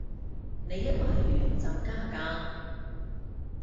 你一買完就加價